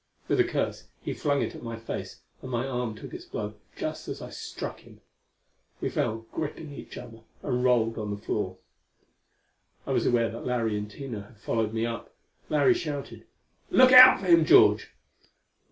With a curse he flung it at my face, and my arm took its blow just as I struck him. We fell gripping each other, and rolled on the floor. I was aware that Larry and Tina had followed me up. Larry shouted, "Look out for him, George!"